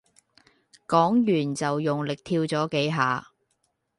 講完就用力跳咗幾下